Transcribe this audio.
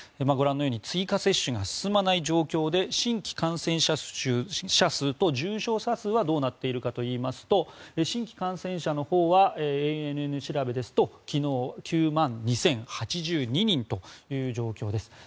ご覧のように追加接種が進まない状況で新規感染者数と重症者数はどうなっているかといいますと新規感染者のほうはＡＮＮ調べですと昨日９万２０８２人という状況です。